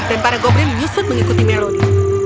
dan para goblin menyusut mengikuti melody